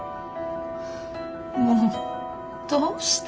もうどうして。